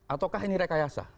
ataukah ini rekayasa